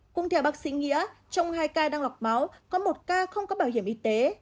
cũng theo bác sĩ nghĩa trong hai ca đang lọc máu có một ca không có bảo hiểm y tế